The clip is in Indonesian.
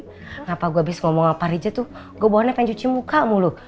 kenapa gue abis ngomong sama pak riza tuh gue bohongnya pengen cuci muka mulu